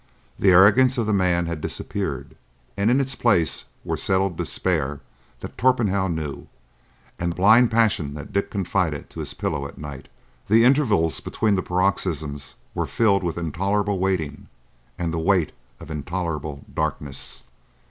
The arrogance of the man had disappeared, and in its place were settled despair that Torpenhow knew, and blind passion that Dick confided to his pillow at night. The intervals between the paroxysms were filled with intolerable waiting and the weight of intolerable darkness.